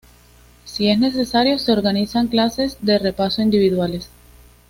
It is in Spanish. Si es necesario, se organizan clases de repaso individuales.